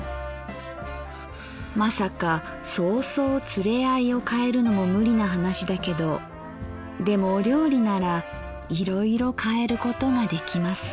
まさかそうそう連れ合いをかえるのも無理な話だけどでもお料理ならいろいろ変えることができます」。